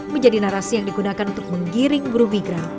menjadi narasi yang digunakan untuk menggiring buruh migran